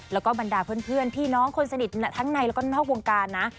แล้วก็บรรดาเพื่อนพี่น้องคนสนิททั้งในแล้วก็นอกวงการนะ